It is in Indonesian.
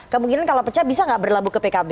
kemungkinan kalau pecah bisa nggak berlabuh ke pkb